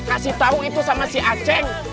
kasih tahu itu sama si a ceng